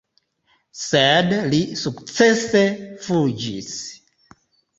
Sed li sukcese fuĝis.